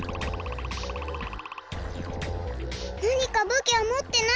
なにかぶきはもってないの？